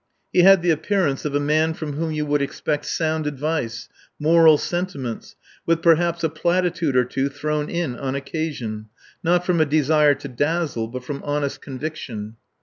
He had the appearance of a man from whom you would expect sound advice, moral sentiments, with perhaps a platitude or two thrown in on occasion, not from a desire to dazzle, but from honest conviction.